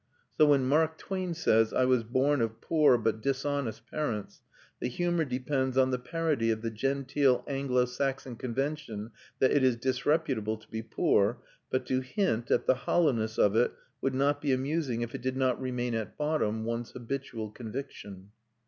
So when Mark Twain says, "I was born of poor but dishonest parents," the humour depends on the parody of the genteel Anglo Saxon convention that it is disreputable to be poor; but to hint at the hollowness of it would not be amusing if it did not remain at bottom one's habitual conviction.